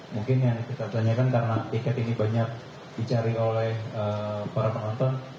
mungkin yang kita tanyakan karena tiket ini banyak dicari oleh para penonton